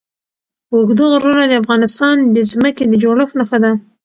اوږده غرونه د افغانستان د ځمکې د جوړښت نښه ده.